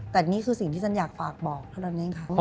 แต่นี่คือสิ่งที่ฉันอยากปากบอกขนาดนี้ค่ะ